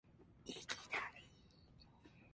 いぎだい！！！！